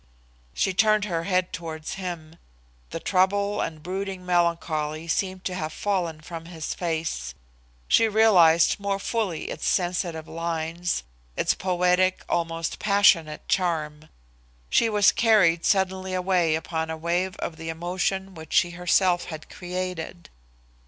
She turned her head towards him. The trouble and brooding melancholy seemed to have fallen from his face. She realised more fully its sensitive lines, its poetic, almost passionate charm. She was carried suddenly away upon a wave of the emotion which she herself had created.